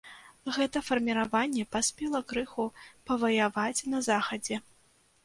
Гэта фарміраванне паспела крыху паваяваць на захадзе.